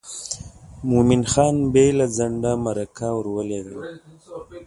مومن خان بې له ځنډه مرکه ور ولېږله.